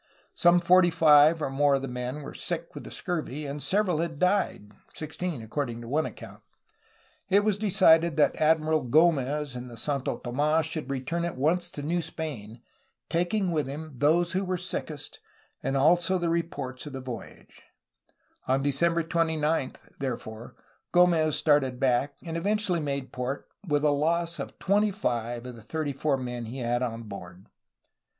Some forty five or more of the men were sick with the scurvy and several had died — sixteen according to one account. It was decided that Admiral G6mez in the Sarito Tomds should return at once to New Spain, taking with him those who were sickest and also the reports of the • Vizcafno to the king (?). Monterey. Dec. 28, 1602. 136 A HISTORY OF CALIFORNIA voyage. On December 29, therefore, G6mez started back, ' and eventually made port, — ^with a loss of twenty five of the tMrty four men he had on board!